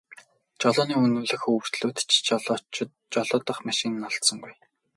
Жолооны үнэмлэх өвөртлөөд ч жолоодох машин нь олдсонгүй.